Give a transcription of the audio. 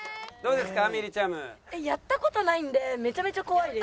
やった事ないんでめちゃめちゃ怖いです。